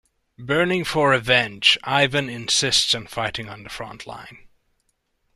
Burning for revenge, Ivan insists on fighting on the front line.